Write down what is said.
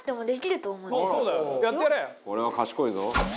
「“俺は賢いぞ”」「」